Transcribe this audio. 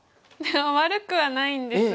悪くはないんですが。